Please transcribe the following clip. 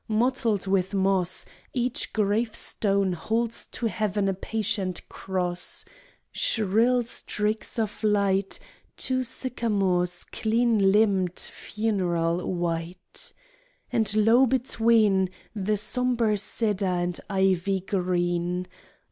Mottled with moss, Each gravestone holds to heaven a patient Cross. Shrill streaks of light Two sycamores' clean limbed, funereal white, And low between, The sombre cedar and the ivy green.